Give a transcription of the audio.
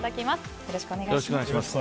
よろしくお願いします。